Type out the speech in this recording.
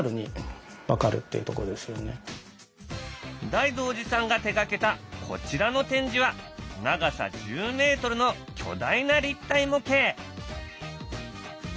大道寺さんが手がけたこちらの展示は長さ１０ｍの巨大な立体模型！